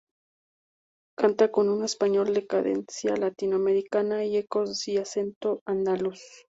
Canta con un español de cadencia latinoamericana y ecos y acento andaluz.